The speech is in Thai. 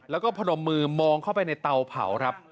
แล้วก็พนมมือมองเข้าไปในเตาเผาครับ